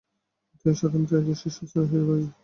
তিনি সাধারণত এটির শীর্ষস্থানীয় হিসাবে বিবেচিত হন।